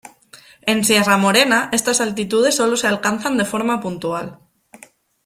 En Sierra Morena, estas altitudes sólo se alcanzan de forma puntual.